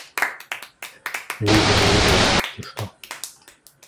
Людзі не ведаюць, ці што?